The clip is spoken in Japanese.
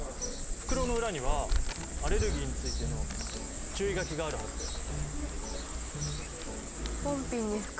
袋の裏にはアレルギーについての注意書きがあるはずだよ。